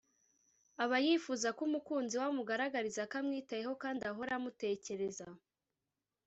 Aba yifuza ko umukunzi we amugaragariza ko amwitayeho kandi ahora amutekereza